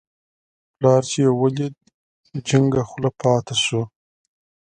پلار چې یې ولید، جینګه خوله پاتې شو.